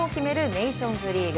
ネーションズリーグ。